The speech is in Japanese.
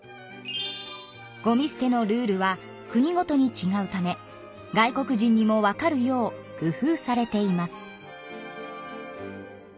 ごみすてのルールは国ごとにちがうため外国人にもわかるよう工夫されています。